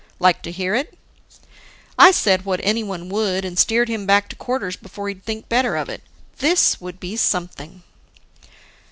Like to hear it?" I said what anyone would, and steered him back to quarters before he'd think better of it. This would be something!